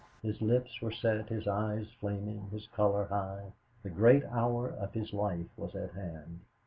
His lips were set, his eyes flaming, his color high, the great hour of his life was at hand.